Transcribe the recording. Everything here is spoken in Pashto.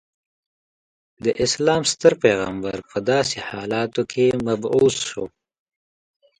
د اسلام ستر پیغمبر په داسې حالاتو کې مبعوث شو.